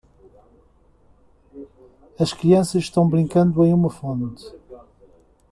As crianças estão brincando em uma fonte.